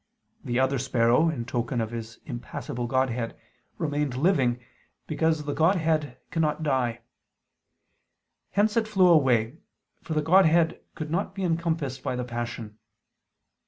The other sparrow, in token of His impassible Godhead, remained living, because the Godhead cannot die: hence it flew away, for the Godhead could not be encompassed by the Passion.